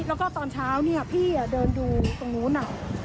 แล้วก็ตอนเช้าเนี่ยพี่เดินดูตรงนู้น